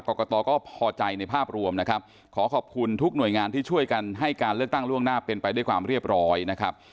กรกตก็พอใจในภาพรวมนะครับขอขอบคุณทุกหน่วยงานที่ช่วยกันให้การเลือกตั้งล่วงหน้าเป็นไปด้วยความเรียบร้อยนะครับ